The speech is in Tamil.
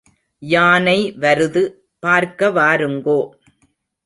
யானை வருது பார்க்க வாருங்கோ.